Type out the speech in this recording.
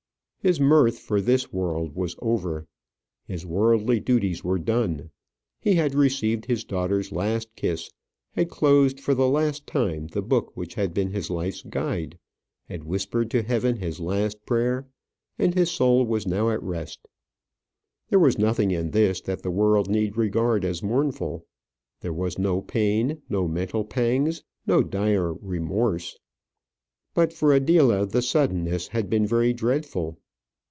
His mirth for this world was over. His worldly duties were done. He had received his daughter's last kiss, had closed for the last time the book which had been his life's guide, had whispered to heaven his last prayer, and his soul was now at rest. There was nothing in this that the world need regard as mournful. There was no pain, no mental pangs, no dire remorse. But for Adela the suddenness had been very dreadful.